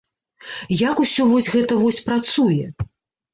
Як усё вось гэта вось працуе?